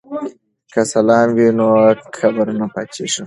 که سلام وي نو کبر نه پاتیږي.